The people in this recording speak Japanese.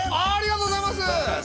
ありがとうございます！